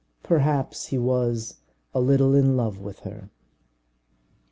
Perhaps he was a little in love with her.